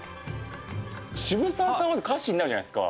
渋沢さんは家臣になるじゃないですか。